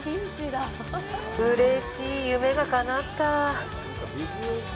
うれしい、夢がかなった。